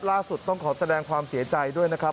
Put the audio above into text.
ต้องขอแสดงความเสียใจด้วยนะครับ